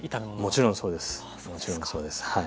もちろんそうです。